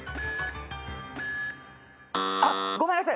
あっごめんなさい。